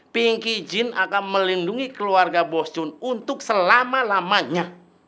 pinky jin akan melindungi keluarga bos jun untuk selama lamanya